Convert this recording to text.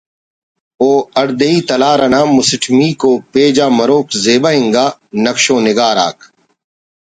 ءُ ہڑدے ئی تلار نا مسٹمیکو پیج آ مروک زیبا انگا نقش و نگار آک